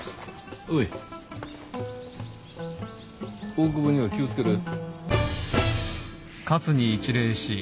大久保には気を付けろよ。